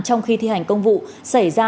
trong khi thi hành công vụ xảy ra